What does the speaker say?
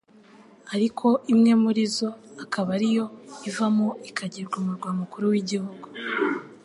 ariko imwe muri zo akaba ariyo ivamo ikagirwa umurwa mukuru w'igihugu.